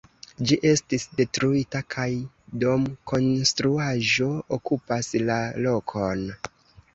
Ĝi estis detruita kaj domkonstruaĵo okupas la lokon.